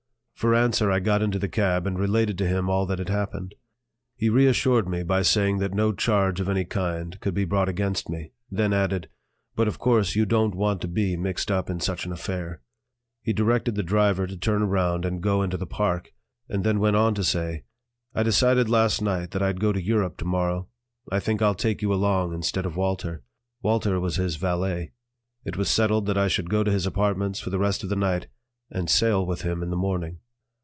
For answer I got into the cab and related to him all that had happened. He reassured me by saying that no charge of any kind could be brought against me; then added: "But of course you don't want to be mixed up in such an affair." He directed the driver to turn around and go into the park, and then went on to say: "I decided last night that I'd go to Europe tomorrow. I think I'll take you along instead of Walter." Walter was his valet. It was settled that I should go to his apartments for the rest of the night and sail with him in the morning.